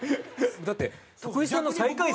だって徳井さんの最下位じゃ。